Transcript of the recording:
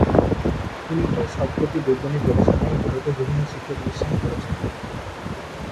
তিনি তার সবকটি বৈজ্ঞানিক গবেষণাই ভারতের বিভিন্ন শিক্ষাপ্রতিষ্ঠানে করেছেন।